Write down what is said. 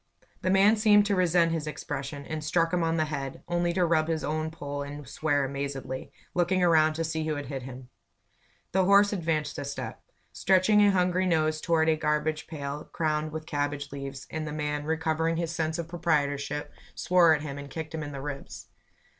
The man seemed to resent his expression, and struck him on the head, only to rub his own poll and swear amazedly, looking around to see who had hit him. the horse advanced a step, stretching a hungry nose toward a garbage pail crowned with cabbage leaves, and the man, recovering his sense of proprietorship, swore at him and kicked him in the ribs.